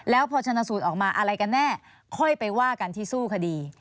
แล้วพอชนสูตรออกมาอะไรกันแน่ค่อยไปว่ากันที่สู้คดี